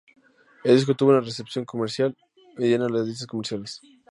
El disco tuvo una recepción comercial mediana en las listas comerciales.